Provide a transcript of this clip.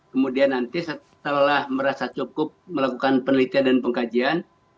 kemudian nanti setelah merasa cukup melakukan penelitian dan pengkajian